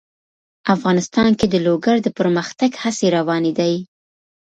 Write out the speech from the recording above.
افغانستان کې د لوگر د پرمختګ هڅې روانې دي.